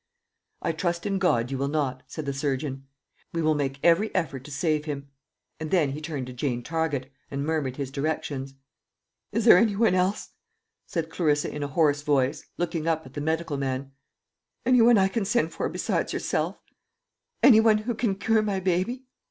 "I trust in God you will not," said the surgeon. "We will make every effort to save him." And then he turned to Jane Target, and murmured his directions. "Is there any one else," said Clarissa in a hoarse voice, looking up at the medical man "anyone I can send for besides yourself any one who can cure my baby?"